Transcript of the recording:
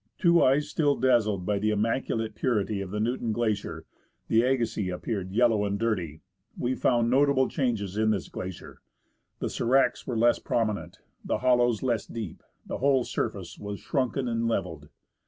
To eyes still dazzled by the im maculate purity of the Newton Glacier, the Agassiz appeared yellow and dirty. We found notable changes in this glacier ; the sdracs were less prominent, the hollows less deep, the whole surface was shrunken and levelled.